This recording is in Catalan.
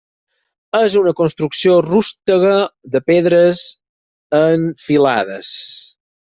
És una construcció rústega de pedres en filades.